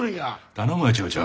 頼むわ町長。